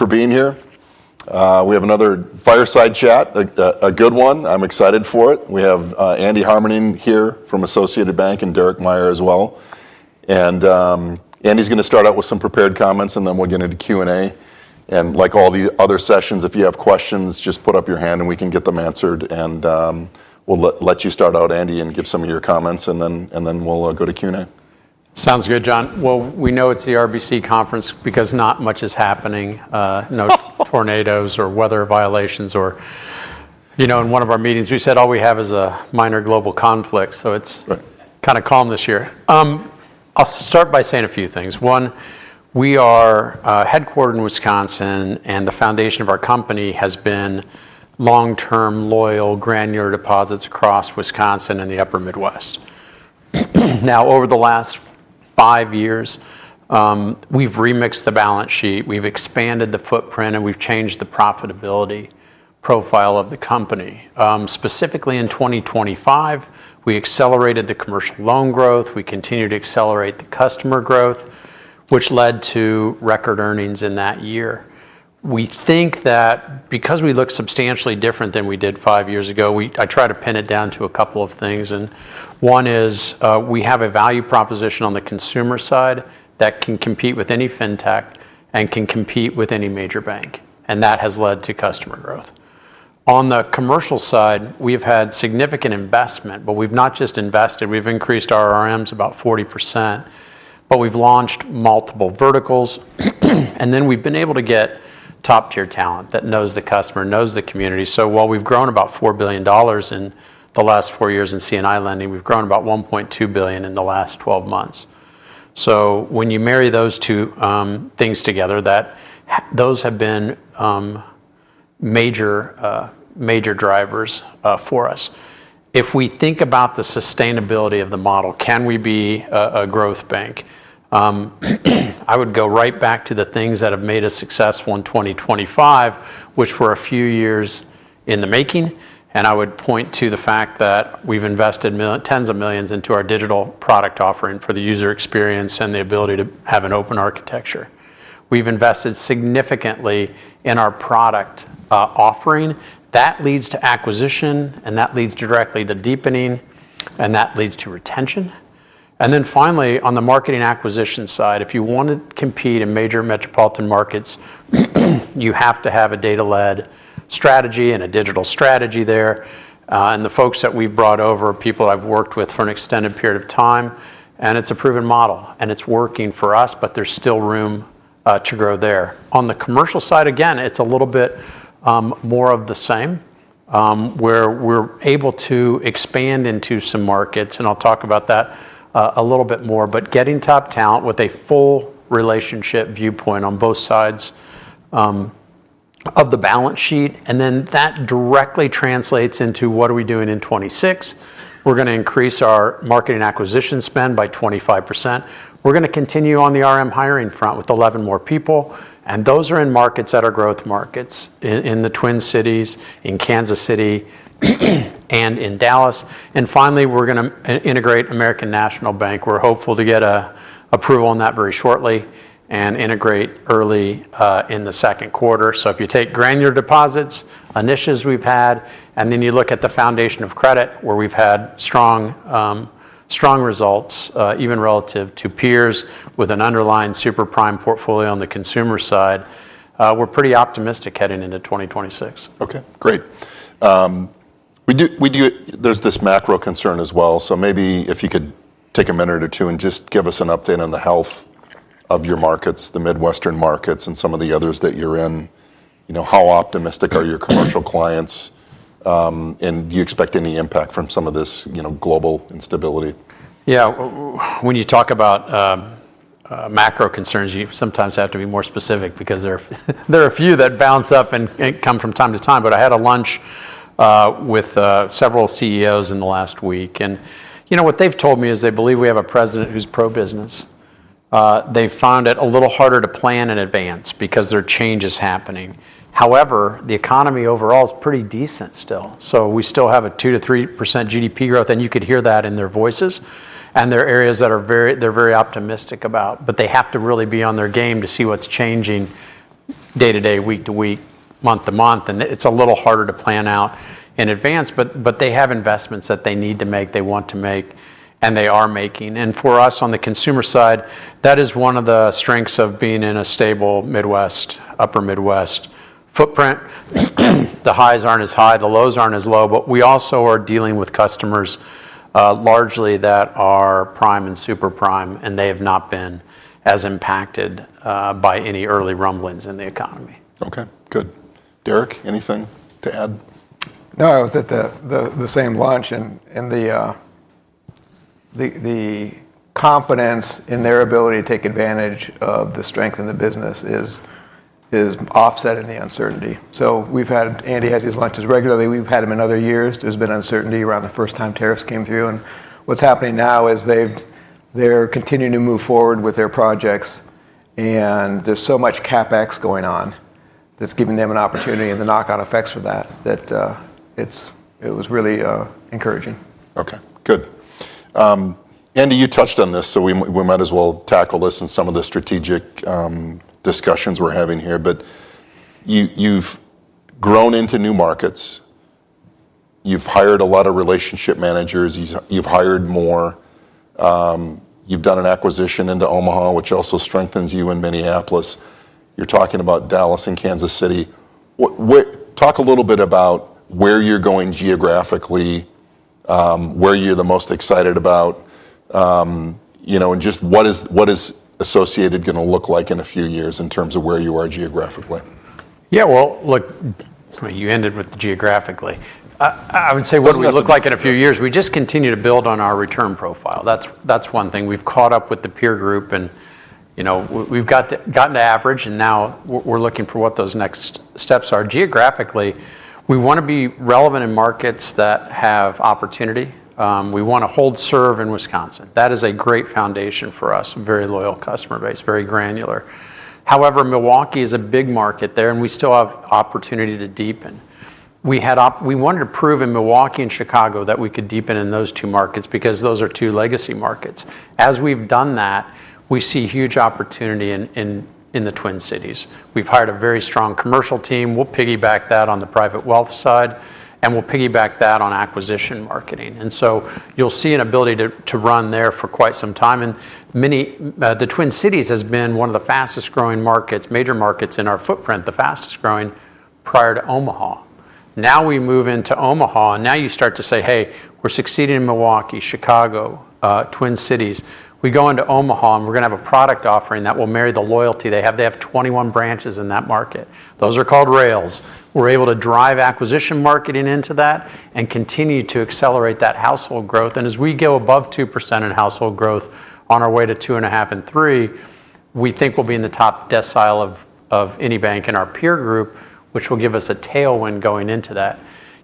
For being here. We have another fireside chat, a good one. I'm excited for it. We have Andy Harmening in here from Associated Banc-Corp, and Derek Meyer as well. Andy's gonna start out with some prepared comments, and then we'll get into Q&A. Like all the other sessions, if you have questions, just put up your hand and we can get them answered. We'll let you start out, Andy, and give some of your comments, and then we'll go to Q&A. Sounds good, Jon. Well, we know it's the RBC conference because not much is happening. No tornadoes or weather violations. You know, in one of our meetings, we said all we have is a minor global conflict, so it's Right Kinda calm this year. I'll start by saying a few things. One, we are headquartered in Wisconsin, and the foundation of our company has been long-term, loyal, granular deposits across Wisconsin and the upper Midwest. Now, over the last five years, we've remixed the balance sheet, we've expanded the footprint, and we've changed the profitability profile of the company. Specifically in 2025, we accelerated the commercial loan growth, we continued to accelerate the customer growth, which led to record earnings in that year. We think that because we look substantially different than we did five years ago, I try to pin it down to a couple of things, and one is, we have a value proposition on the consumer side that can compete with any fintech and can compete with any major bank, and that has led to customer growth. On the commercial side, we've had significant investment, but we've not just invested, we've increased our RMs about 40%, but we've launched multiple verticals, and then we've been able to get top-tier talent that knows the customer, knows the community. While we've grown about $4 billion in the last four years in C&I lending, we've grown about $1.2 billion in the last 12 months. When you marry those two things together, those have been major drivers for us. If we think about the sustainability of the model, can we be a growth bank? I would go right back to the things that have made us successful in 2025, which were a few years in the making, and I would point to the fact that we've invested $ tens of millions into our digital product offering for the user experience and the ability to have an open architecture. We've invested significantly in our product offering. That leads to acquisition, and that leads directly to deepening, and that leads to retention. Then finally, on the marketing acquisition side, if you wanna compete in major metropolitan markets, you have to have a data-led strategy and a digital strategy there, and the folks that we've brought over are people I've worked with for an extended period of time, and it's a proven model, and it's working for us, but there's still room to grow there. On the commercial side, again, it's a little bit more of the same, where we're able to expand into some markets, and I'll talk about that a little bit more. Getting top talent with a full relationship viewpoint on both sides of the balance sheet, and then that directly translates into what we're doing in 2026. We're gonna increase our marketing acquisition spend by 25%. We're gonna continue on the RM hiring front with 11 more people, and those are in markets that are growth markets, in the Twin Cities, in Kansas City, and in Dallas. Finally, we're gonna integrate American National Bank. We're hopeful to get an approval on that very shortly and integrate early in the second quarter. If you take granular deposits, initiatives we've had, and then you look at the foundation of credit, where we've had strong results, even relative to peers with an underlying super prime portfolio on the consumer side, we're pretty optimistic heading into 2026. Okay, great. There's this macro concern as well, so maybe if you could take a minute or two and just give us an update on the health of your markets, the Midwestern markets, and some of the others that you're in. You know, how optimistic are your commercial clients, and do you expect any impact from some of this, you know, global instability? Yeah. When you talk about macro concerns, you sometimes have to be more specific because there are a few that bounce up and come from time to time. I had a lunch with several CEOs in the last week. You know, what they've told me is they believe we have a president who's pro-business. They found it a little harder to plan in advance because there are changes happening. However, the economy overall is pretty decent still, so we still have a 2%-3% GDP growth, and you could hear that in their voices. There are areas that are very. They're very optimistic about, but they have to really be on their game to see what's changing day to day, week to week, month to month. It's a little harder to plan out in advance, but they have investments that they need to make, they want to make, and they are making. For us on the consumer side, that is one of the strengths of being in a stable Midwest, Upper Midwest footprint. The highs aren't as high, the lows aren't as low, but we also are dealing with customers largely that are prime and super prime, and they have not been as impacted by any early rumblings in the economy. Okay, good. Derek, anything to add? No, I was at the same lunch, and the confidence in their ability to take advantage of the strength in the business is offsetting the uncertainty. Andy has these lunches regularly. We've had them in other years. There's been uncertainty around the first time tariffs came through, and what's happening now is they're continuing to move forward with their projects, and there's so much CapEx going on that's giving them an opportunity and the knock-on effects for that, it was really encouraging. Okay, good. Andy, you touched on this, so we might as well tackle this in some of the strategic discussions we're having here. You've grown into new markets. You've hired a lot of relationship managers. You've hired more. You've done an acquisition into Omaha, which also strengthens you in Minneapolis. You're talking about Dallas and Kansas City. Talk a little bit about where you're going geographically, where you're the most excited about, you know, and just what is Associated gonna look like in a few years in terms of where you are geographically? Yeah, well, look, you ended with geographically. I would say what do we look like in a few years, we just continue to build on our return profile. That's one thing. We've caught up with the peer group and, you know, we've gotten to average, and now we're looking for what those next steps are. Geographically, we wanna be relevant in markets that have opportunity. We wanna hold serve in Wisconsin. That is a great foundation for us, a very loyal customer base, very granular. However, Milwaukee is a big market there, and we still have opportunity to deepen. We wanted to prove in Milwaukee and Chicago that we could deepen in those two markets because those are two legacy markets. As we've done that, we see huge opportunity in the Twin Cities. We've hired a very strong commercial team. We'll piggyback that on the private wealth side, and we'll piggyback that on acquisition marketing. You'll see an ability to run there for quite some time. The Twin Cities has been one of the fastest-growing major markets in our footprint, the fastest-growing prior to Omaha. Now we move into Omaha, and now you start to say, "Hey, we're succeeding in Milwaukee, Chicago, Twin Cities." We go into Omaha, and we're gonna have a product offering that will marry the loyalty they have. They have 21 branches in that market. Those are called rails. We're able to drive acquisition marketing into that and continue to accelerate that household growth. As we go above 2% in household growth on our way to 2.5 and three, we think we'll be in the top decile of any bank in our peer group, which will give us a tailwind going into that.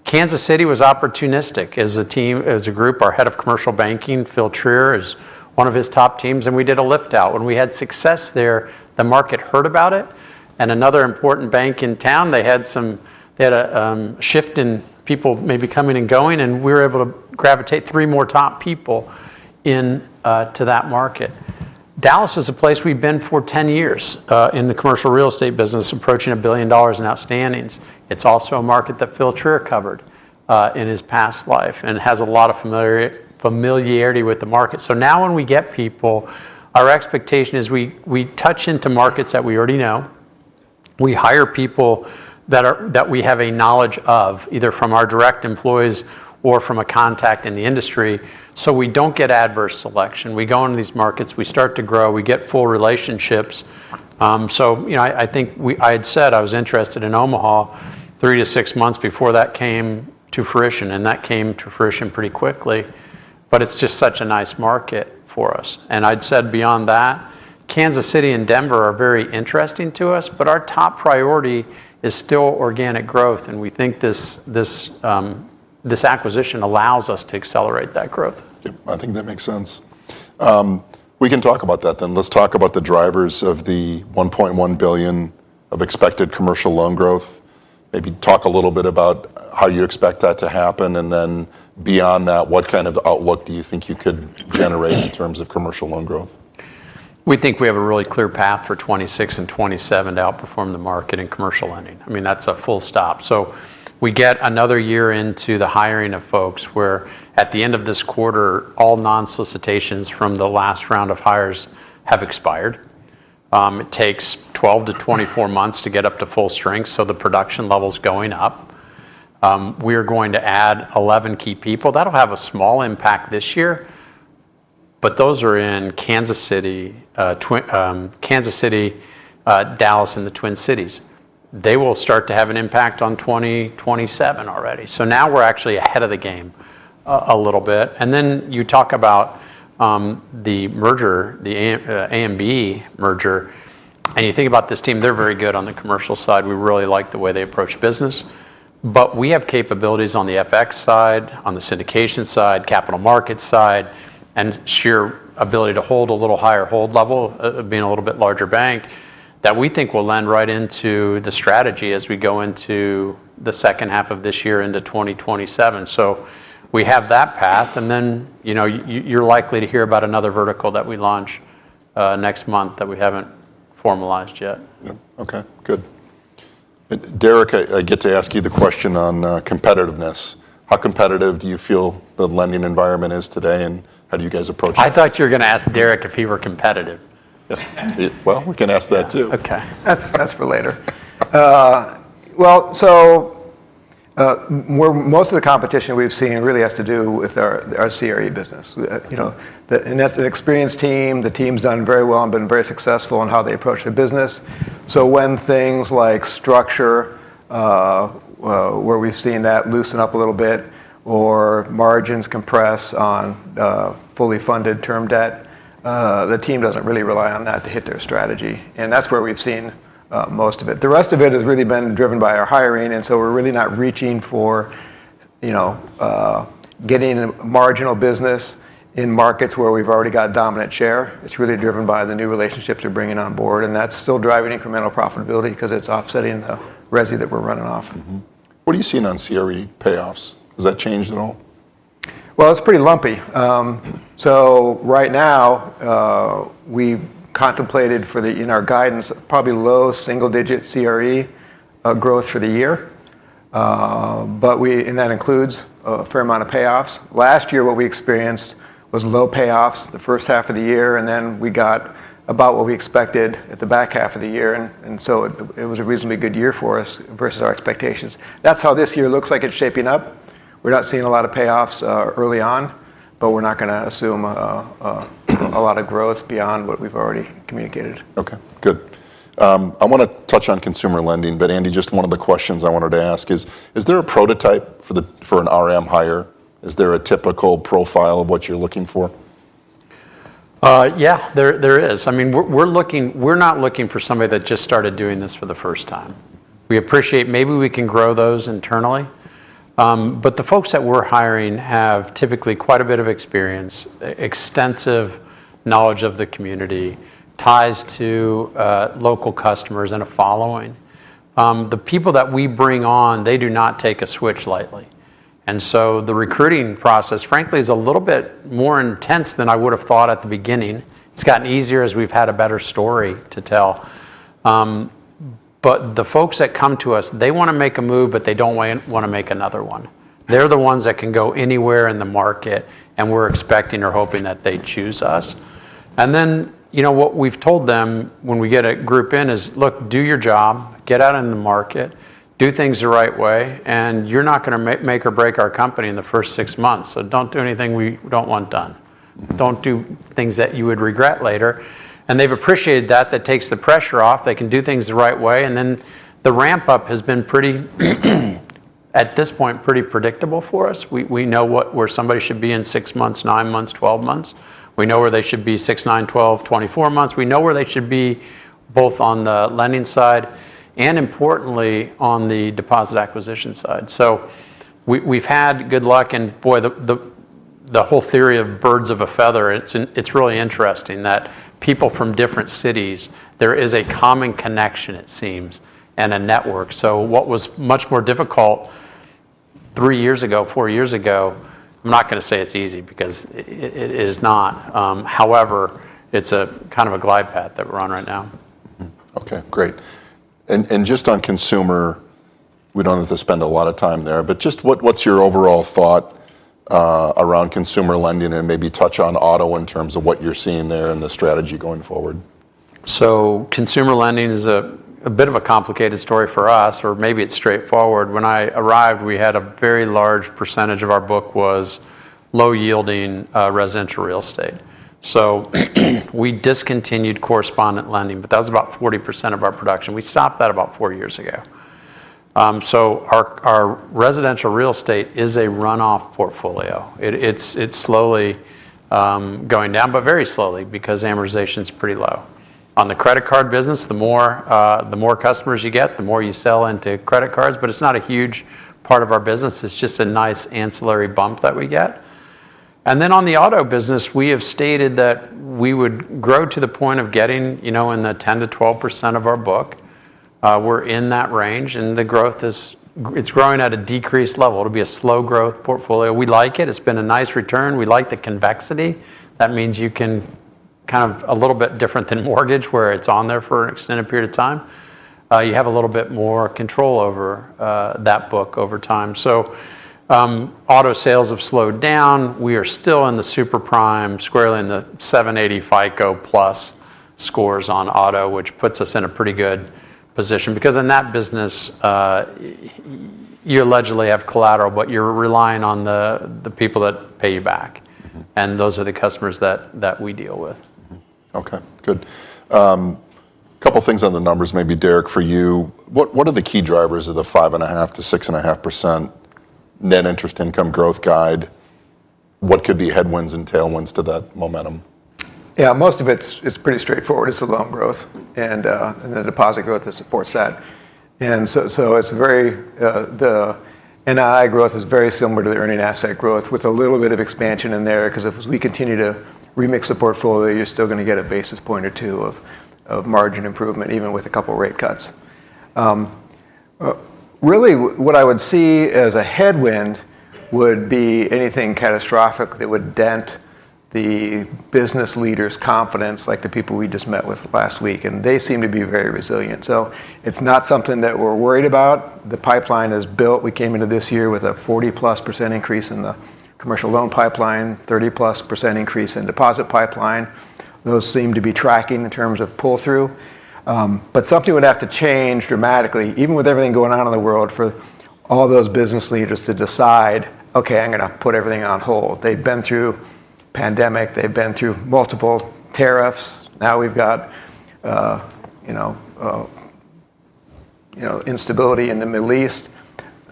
Kansas City was opportunistic. As a team, as a group, our head of commercial banking, Phillip Trier, is one of his top teams, and we did a lift out. When we had success there, the market heard about it. Another important bank in town, they had a shift in people maybe coming and going, and we were able to gravitate three more top people into to that market. Dallas is a place we've been for 10 years in the commercial real estate business, approaching $1 billion in outstandings. It's also a market that Phillip Trier covered in his past life and has a lot of familiarity with the market. Now when we get people, our expectation is we touch into markets that we already know. We hire people that we have a knowledge of, either from our direct employees or from a contact in the industry, so we don't get adverse selection. We go into these markets, we start to grow, we get full relationships. You know, I think I had said I was interested in Omaha three months-six months before that came to fruition, and that came to fruition pretty quickly, but it's just such a nice market for us. I'd said beyond that, Kansas City and Denver are very interesting to us, but our top priority is still organic growth, and we think this acquisition allows us to accelerate that growth. Yeah, I think that makes sense. We can talk about that then. Let's talk about the drivers of the $1.1 billion of expected commercial loan growth. Maybe talk a little bit about how you expect that to happen, and then beyond that, what kind of outlook do you think you could generate in terms of commercial loan growth? We think we have a really clear path for 2026 and 2027 to outperform the market in commercial lending. I mean, that's a full stop. We get another year into the hiring of folks, where at the end of this quarter, all non-solicitations from the last round of hires have expired. It takes 12 months-24 months to get up to full strength, so the production level's going up. We are going to add 11 key people. That'll have a small impact this year, but those are in Kansas City, Dallas, and the Twin Cities. They will start to have an impact on 2027 already. Now we're actually ahead of the game a little bit. You talk about the merger, the ANB merger, and you think about this team, they're very good on the commercial side. We really like the way they approach business. We have capabilities on the FX side, on the syndication side, capital markets side, and sheer ability to hold a little higher hold level, being a little bit larger bank, that we think will lend right into the strategy as we go into the second half of this year into 2027. We have that path, and then, you know, you're likely to hear about another vertical that we launch next month that we haven't formalized yet. Yeah. Okay, good. Derek, I get to ask you the question on competitiveness. How competitive do you feel the lending environment is today, and how do you guys approach that? I thought you were gonna ask Derek if he were competitive. Yeah. Well, we can ask that too. Okay. That's for later. Most of the competition we've seen really has to do with our CRE business. That's an experienced team. The team's done very well and been very successful in how they approach the business. When things like structure where we've seen that loosen up a little bit or margins compress on fully funded term debt, the team doesn't really rely on that to hit their strategy. That's where we've seen most of it. The rest of it has really been driven by our hiring. We're really not reaching for, you know, getting marginal business in markets where we've already got dominant share. It's really driven by the new relationships we're bringing on board, and that's still driving incremental profitability because it's offsetting the resi that we're running off. What are you seeing on CRE payoffs? Has that changed at all? Well, it's pretty lumpy. Right now, we've contemplated for the, in our guidance, probably low single digit CRE growth for the year. That includes a fair amount of payoffs. Last year, what we experienced was low payoffs the first half of the year, and then we got about what we expected at the back half of the year. It was a reasonably good year for us versus our expectations. That's how this year looks like it's shaping up. We're not seeing a lot of payoffs early on, but we're not gonna assume a lot of growth beyond what we've already communicated. Okay. Good. I wanna touch on consumer lending, but Andy, just one of the questions I wanted to ask is there a prototype for an RM hire? Is there a typical profile of what you're looking for? Yeah. There is. I mean, we're looking. We're not looking for somebody that just started doing this for the first time. We appreciate maybe we can grow those internally, but the folks that we're hiring have typically quite a bit of experience, extensive knowledge of the community, ties to local customers and a following. The people that we bring on, they do not take a switch lightly. The recruiting process, frankly, is a little bit more intense than I would have thought at the beginning. It's gotten easier as we've had a better story to tell. The folks that come to us, they wanna make a move, but they don't wanna make another one. They're the ones that can go anywhere in the market, and we're expecting or hoping that they choose us. You know, what we've told them when we get a group in is, "Look, do your job, get out in the market, do things the right way, and you're not gonna make or break our company in the first 6 months, so don't do anything we don't want done. Don't do things that you would regret later." They've appreciated that. That takes the pressure off. They can do things the right way, and then the ramp-up has been pretty, at this point, pretty predictable for us. We know where somebody should be in 6 months, 9 months, 12 months. We know where they should be six months, nine months, 12 months, 24 months. We know where they should be both on the lending side and importantly on the deposit acquisition side. We've had good luck and boy, the whole theory of birds of a feather, it's really interesting that people from different cities, there is a common connection it seems, and a network. What was much more difficult three years ago, four years ago, I'm not gonna say it's easy because it is not. However, it's a kind of a glide path that we're on right now. Okay. Great. Just on consumer, we don't have to spend a lot of time there, but just what's your overall thought around consumer lending, and maybe touch on auto in terms of what you're seeing there and the strategy going forward? Consumer lending is a bit of a complicated story for us, or maybe it's straightforward. When I arrived, we had a very large percentage of our book was low yielding, residential real estate. We discontinued correspondent lending, but that was about 40% of our production. We stopped that about four years ago. Our residential real estate is a runoff portfolio. It's slowly going down, but very slowly because amortization's pretty low. On the credit card business, the more customers you get, the more you sell into credit cards, but it's not a huge part of our business. It's just a nice ancillary bump that we get. On the auto business, we have stated that we would grow to the point of getting in the 10%-12% of our book. We're in that range, and the growth is, it's growing at a decreased level. It'll be a slow growth portfolio. We like it. It's been a nice return. We like the convexity. That means you can kind of a little bit different than mortgage, where it's on there for an extended period of time. You have a little bit more control over, that book over time. Auto sales have slowed down. We are still in the super prime, squarely in the 780 FICO plus scores on auto, which puts us in a pretty good position, because in that business, you allegedly have collateral, but you're relying on the people that pay you back. Mm-hmm. Those are the customers that we deal with. Okay. Good. Couple things on the numbers, maybe Derek for you. What are the key drivers of the 5.5%-6.5% net interest income growth guide? What could be headwinds and tailwinds to that momentum? Yeah. Most of it's pretty straightforward. It's the loan growth and the deposit growth that supports that. The NII growth is very similar to the earning asset growth with a little bit of expansion in there, because as we continue to remix the portfolio, you're still gonna get a basis point or two of margin improvement even with a couple rate cuts. Really what I would see as a headwind would be anything catastrophic that would dent the business leader's confidence, like the people we just met with last week, and they seem to be very resilient. It's not something that we're worried about. The pipeline is built. We came into this year with a 40%+ increase in the commercial loan pipeline, 30%+ increase in deposit pipeline. Those seem to be tracking in terms of pull-through. Something would have to change dramatically, even with everything going on in the world for all those business leaders to decide, "Okay, I'm gonna put everything on hold." They've been through pandemic, they've been through multiple tariffs, now we've got, you know, instability in the Middle East.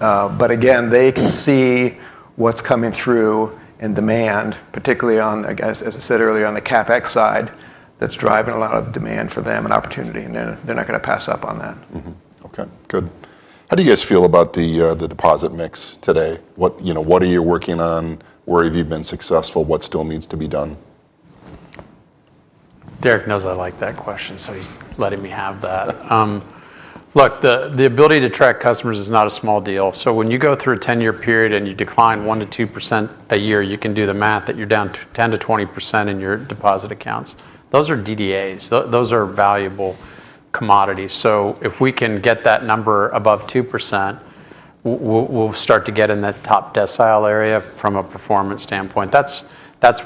Again, they can see what's coming through in demand, particularly on, I guess, as I said earlier, on the CapEx side, that's driving a lot of demand for them and opportunity, and they're not gonna pass up on that. Mm-hmm. Okay, good. How do you guys feel about the deposit mix today? What, you know, what are you working on? Where have you been successful? What still needs to be done? Derek knows I like that question, so he's letting me have that. Look, the ability to track customers is not a small deal. When you go through a 10-year period and you decline 1%-2% a year, you can do the math that you're down 10%-20% in your deposit accounts. Those are DDAs. Those are valuable commodities. If we can get that number above 2%, we'll start to get in that top decile area from a performance standpoint. That's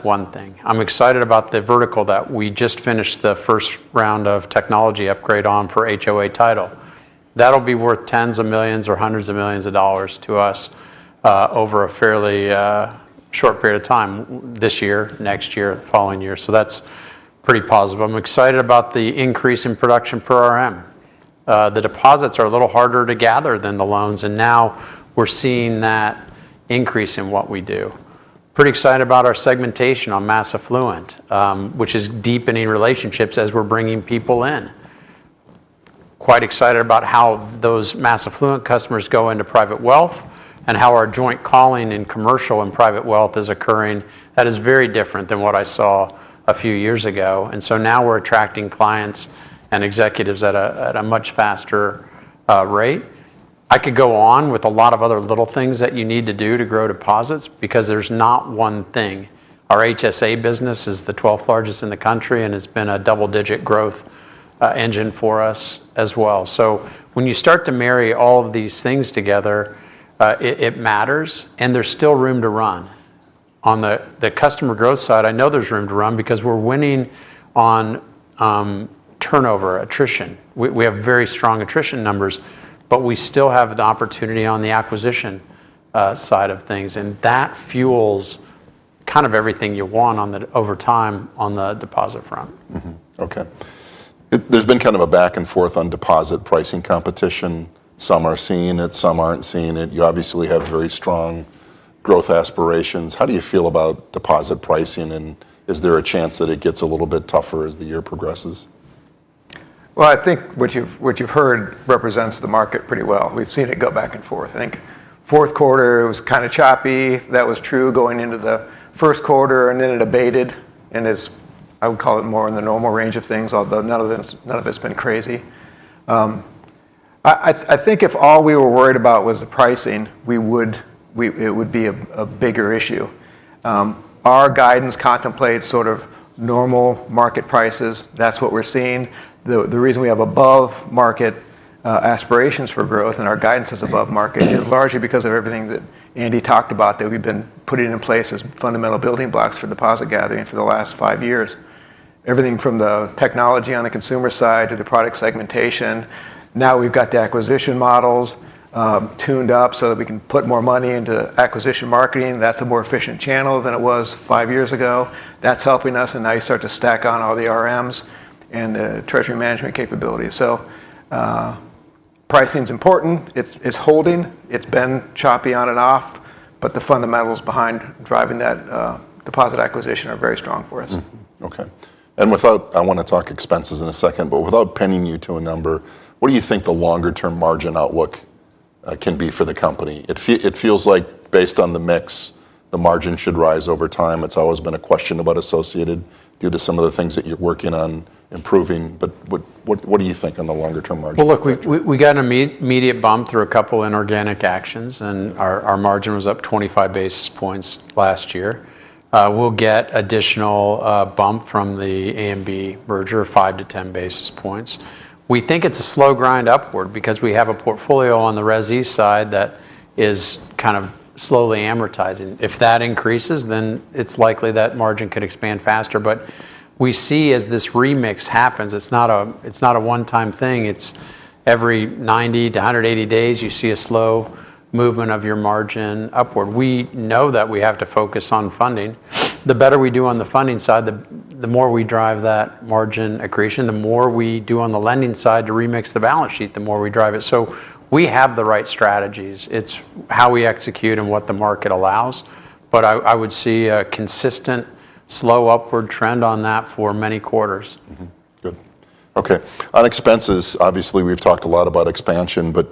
one thing. I'm excited about the vertical that we just finished the first round of technology upgrade on for HOA title. That'll be worth tens of millions or hundreds of millions of dollars to us, over a fairly short period of time this year, next year, the following year. That's pretty positive. I'm excited about the increase in production per RM. The deposits are a little harder to gather than the loans, and now we're seeing that increase in what we do. Pretty excited about our segmentation on mass affluent, which is deepening relationships as we're bringing people in. Quite excited about how those mass affluent customers go into private wealth and how our joint calling in commercial and private wealth is occurring. That is very different than what I saw a few years ago. Now we're attracting clients and executives at a much faster rate. I could go on with a lot of other little things that you need to do to grow deposits because there's not one thing. Our HSA business is the 12th largest in the country, and it's been a double-digit growth engine for us as well. When you start to marry all of these things together, it matters, and there's still room to run. On the customer growth side, I know there's room to run because we're winning on turnover, attrition. We have very strong attrition numbers, but we still have the opportunity on the acquisition side of things. That fuels kind of everything you want over time on the deposit front. Okay. There's been kind of a back and forth on deposit pricing competition. Some are seeing it, some aren't seeing it. You obviously have very strong growth aspirations. How do you feel about deposit pricing, and is there a chance that it gets a little bit tougher as the year progresses? Well, I think what you've heard represents the market pretty well. We've seen it go back and forth. I think fourth quarter, it was kinda choppy. That was true going into the first quarter, and then it abated and is, I would call it, more in the normal range of things, although none of it's been crazy. I think if all we were worried about was the pricing, it would be a bigger issue. Our guidance contemplates sort of normal market prices. That's what we're seeing. The reason we have above market aspirations for growth and our guidance is above market is largely because of everything that Andy talked about that we've been putting in place as fundamental building blocks for deposit gathering for the last five years. Everything from the technology on the consumer side to the product segmentation. Now we've got the acquisition models tuned up so that we can put more money into acquisition marketing. That's a more efficient channel than it was five years ago. That's helping us, and now you start to stack on all the RMs and the treasury management capabilities. Pricing's important. It's holding. It's been choppy on and off, but the fundamentals behind driving that deposit acquisition are very strong for us. Mm-hmm. Okay. Without pinning you to a number, what do you think the longer term margin outlook can be for the company? It feels like based on the mix, the margin should rise over time. It's always been a question about Associated due to some of the things that you're working on improving, but what do you think on the longer term margin picture? Well, look, we got an immediate bump through a couple inorganic actions, and our margin was up 25 basis points last year. We'll get additional bump from the ANB merger, five basis points-10 basis points. We think it's a slow grind upward because we have a portfolio on the Resi side that is kind of slowly amortizing. If that increases, then it's likely that margin could expand faster. We see as this remix happens, it's not a one-time thing. It's every 90-180 days, you see a slow movement of your margin upward. We know that we have to focus on funding. The better we do on the funding side, the more we drive that margin accretion. The more we do on the lending side to remix the balance sheet, the more we drive it. We have the right strategies. It's how we execute and what the market allows. I would see a consistent slow upward trend on that for many quarters. Good. Okay. On expenses, obviously, we've talked a lot about expansion, but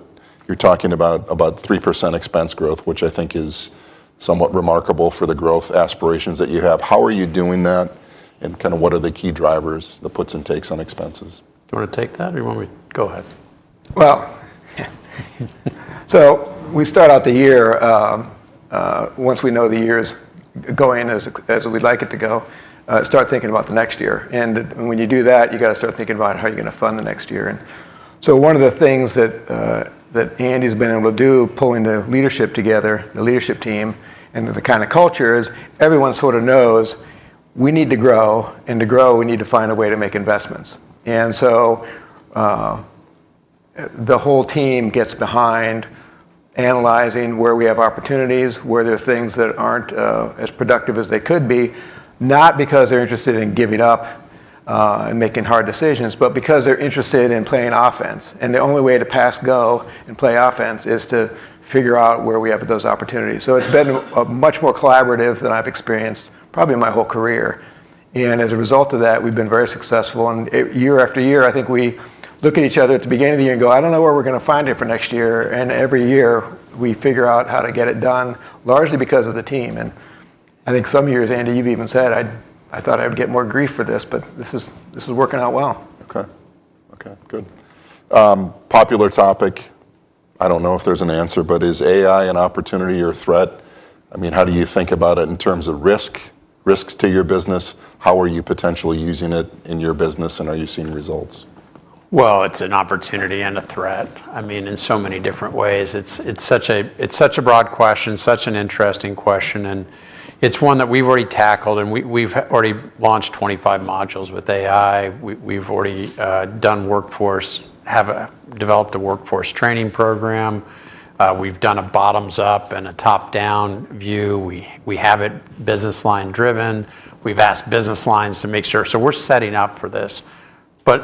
you're talking about 3% expense growth, which I think is somewhat remarkable for the growth aspirations that you have. How are you doing that, and kinda what are the key drivers, the puts and takes on expenses? Do you wanna take that, or you want me? Go ahead. We start out the year, once we know the year's going as we'd like it to go, start thinking about the next year. When you do that, you gotta start thinking about how you're gonna fund the next year. One of the things that Andy's been able to do, pulling the leadership together, the leadership team, into the kinda culture is everyone sorta knows we need to grow, and to grow, we need to find a way to make investments. The whole team gets behind analyzing where we have opportunities, where there are things that aren't as productive as they could be, not because they're interested in giving up and making hard decisions, but because they're interested in playing offense. The only way to pass go and play offense is to figure out where we have those opportunities. It's been a much more collaborative than I've experienced probably in my whole career. As a result of that, we've been very successful. Year after year, I think we. Look at each other at the beginning of the year and go, "I don't know where we're gonna find it for next year." Every year we figure out how to get it done, largely because of the team. I think some years, Andy, you've even said I thought I would get more grief for this, but this is working out well. Okay, good. Popular topic, I don't know if there's an answer, but is AI an opportunity or a threat? I mean, how do you think about it in terms of risks to your business? How are you potentially using it in your business, and are you seeing results? Well, it's an opportunity and a threat, I mean, in so many different ways. It's such a broad question, such an interesting question, and it's one that we've already tackled and we've already launched 25 modules with AI. We've already developed a workforce training program. We've done a bottoms up and a top down view. We have it business line driven. We've asked business lines to make sure. We're setting up for this.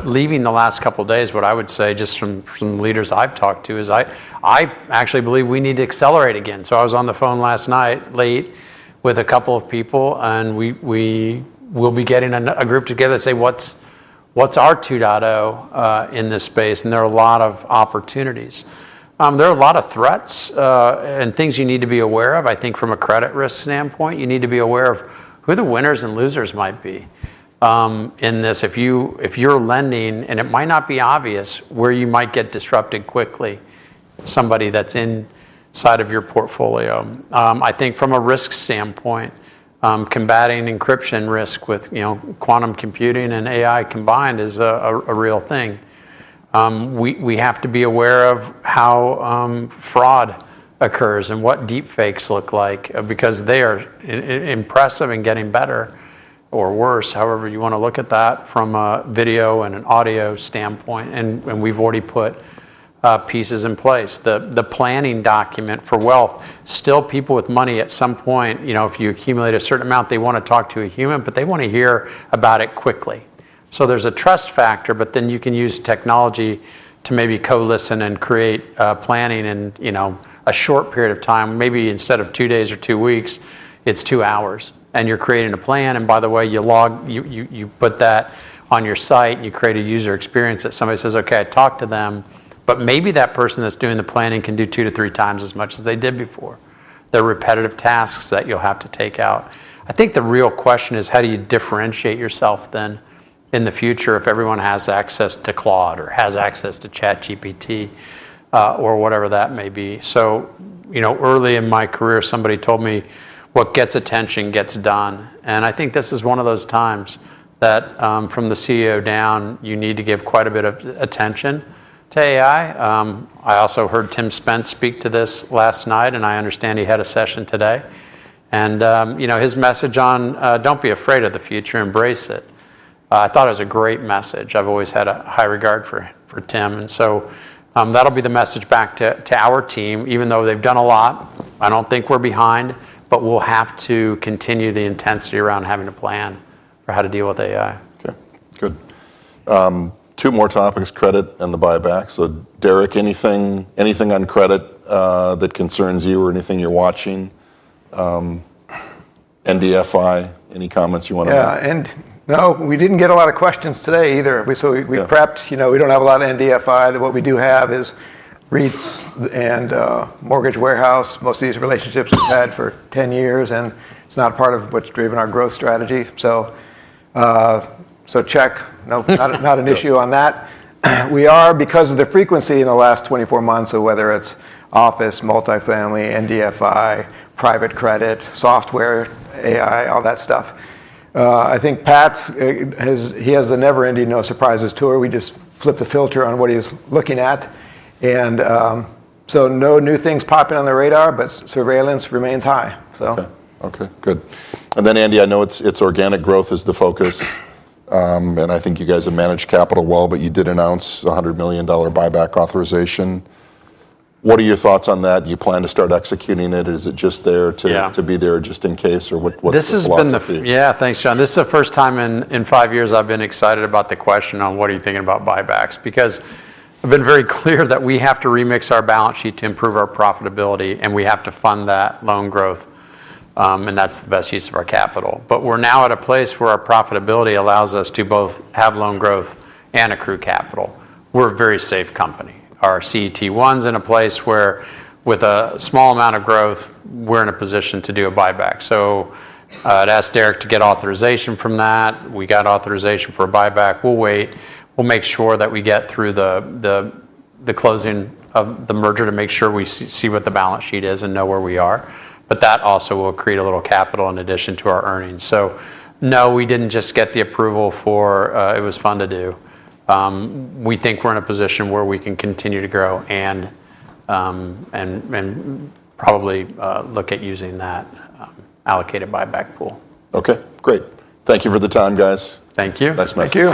Leaving the last couple of days, what I would say, just from leaders I've talked to is I actually believe we need to accelerate again. I was on the phone last night, late, with a couple of people, and we will be getting a group together to say what's our 2.0 in this space, and there are a lot of opportunities. There are a lot of threats, and things you need to be aware of. I think from a credit risk standpoint, you need to be aware of who the winners and losers might be, in this. If you're lending, and it might not be obvious, where you might get disrupted quickly, somebody that's inside of your portfolio. I think from a risk standpoint, combating encryption risk with, you know, quantum computing and AI combined is a real thing. We have to be aware of how fraud occurs and what deepfakes look like, because they are impressive and getting better or worse, however you wanna look at that from a video and an audio standpoint, and we've already put pieces in place. The planning document for wealth. Still people with money at some point, you know, if you accumulate a certain amount, they wanna talk to a human, but they wanna hear about it quickly. So there's a trust factor, but then you can use technology to maybe co-listen and create planning in, you know, a short period of time. Maybe instead of two days or two weeks, it's two hours, and you're creating a plan, and by the way, you log You put that on your site, and you create a user experience that somebody says, "Okay, I talked to them." Maybe that person that's doing the planning can do 2x-3x as much as they did before. The repetitive tasks that you'll have to take out. I think the real question is how do you differentiate yourself then in the future if everyone has access to Claude or has access to ChatGPT, or whatever that may be. You know, early in my career, somebody told me, "What gets attention gets done." I think this is one of those times that, from the CEO down, you need to give quite a bit of attention to AI. I also heard Tim Spence speak to this last night, and I understand he had a session today. You know, his message on "Don't be afraid of the future, embrace it." I thought it was a great message. I've always had a high regard for Tim. That'll be the message back to our team, even though they've done a lot. I don't think we're behind, but we'll have to continue the intensity around having a plan for how to deal with AI. Okay. Good. Two more topics, credit and the buyback. Derek, anything on credit that concerns you or anything you're watching, NDFI, any comments you wanna make? Yeah. No, we didn't get a lot of questions today either. Yeah We prepped. You know, we don't have a lot of NDFI. What we do have is REITs and mortgage warehouse. Most of these relationships we've had for 10 years, and it's not part of what's driven our growth strategy. Check. No, not an issue on that. We are, because of the frequency in the last 24 months of whether it's office, multifamily, NDFI, private credit, software, AI, all that stuff, I think Pat's his, he has a never ending, no surprises tour. We just flip the filter on what he's looking at. No new things popping on the radar, but surveillance remains high. Okay, good. Andy, I know it's organic growth is the focus, and I think you guys have managed capital well, but you did announce a $100 million buyback authorization. What are your thoughts on that? Do you plan to start executing it? Is it just there to- Yeah to be there just in case? Or what's the philosophy? Yeah, thanks, Jon. This is the first time in five years I've been excited about the question on what are you thinking about buybacks, because I've been very clear that we have to remix our balance sheet to improve our profitability, and we have to fund that loan growth, and that's the best use of our capital. We're now at a place where our profitability allows us to both have loan growth and accrue capital. We're a very safe company. Our CET1's in a place where with a small amount of growth, we're in a position to do a buyback. I'd asked Derek to get authorization from that. We got authorization for a buyback. We'll wait. We'll make sure that we get through the closing of the merger to make sure we see what the balance sheet is and know where we are. That also will create a little capital in addition to our earnings. No, we didn't just get the approval for it was fun to do. We think we're in a position where we can continue to grow and probably look at using that allocated buyback pool. Okay, great. Thank you for the time, guys. Thank you. Thanks, guys.